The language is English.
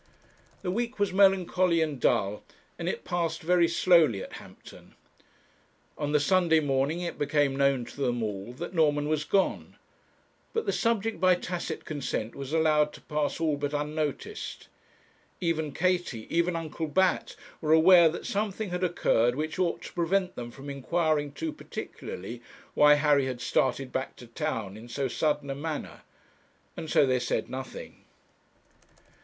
The week was melancholy and dull, and it passed very slowly at Hampton. On the Sunday morning it became known to them all that Norman was gone, but the subject, by tacit consent, was allowed to pass all but unnoticed. Even Katie, even Uncle Bat, were aware that something had occurred which ought to prevent them from inquiring too particularly why Harry had started back to town in so sudden a manner; and so they said nothing.